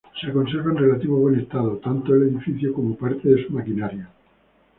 Se conserva en relativo buen estado, tanto el edificio como parte de su maquinaria.